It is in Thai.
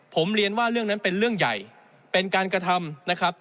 ผมเรียนว่าเรื่องนั้นเป็นเรื่องใหญ่เป็นการกระทำนะครับ